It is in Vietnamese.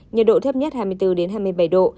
nhiệt độ thấp nhất hai mươi bốn hai mươi bảy độ